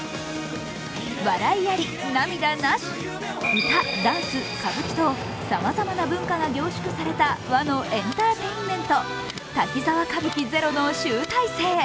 笑いあり、涙なし、歌、ダンス、歌舞伎とさまざまな文化が凝縮された和のエンターテインメント、「滝沢歌舞伎ＺＥＲＯ」の集大成。